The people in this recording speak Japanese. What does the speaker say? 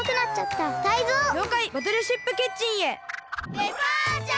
デパーチャー！